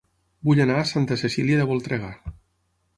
Vull anar a Santa Cecília de Voltregà